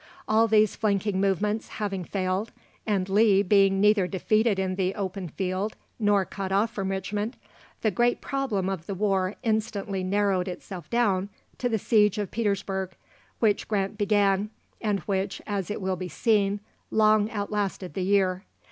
"All these flanking movements having failed, and Lee being neither defeated in the open field nor cut off from Richmond, the great problem of the war instantly narrowed itself down to the siege of Petersburg, which Grant began, and which, as it will be seen, long outlasted the year.